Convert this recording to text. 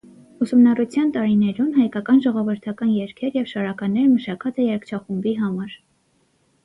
Ուսումնառութեան տարիներուն հայկական ժողովրդական երգեր եւ շարականներ մշակած է երգչախումբի համար։